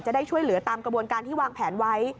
จะได้ช่วยเหลือตามกระบวนการที่วางแผนไว้